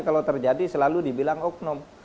kalau terjadi selalu dibilang oknum